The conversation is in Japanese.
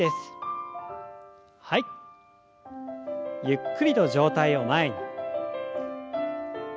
ゆっくりと上体を前に。